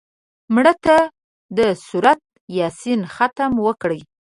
مړه ته د سورت یاسین ختم وکړه